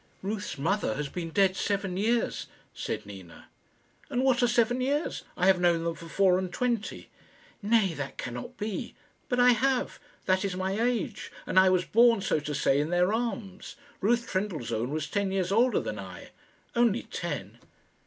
"Ruth's mother has been dead seven years," said Nina. "And what are seven years? I have known them for four and twenty." "Nay; that cannot be." "But I have. That is my age, and I was born, so to say, in their arms. Ruth Trendellsohn was ten years older than I only ten."